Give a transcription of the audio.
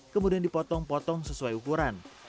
kemudian dipotong potong sesuai ukuran